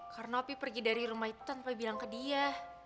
karena opi pergi dari rumah itu tanpa bilang ke dia